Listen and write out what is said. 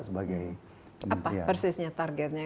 apa persisnya targetnya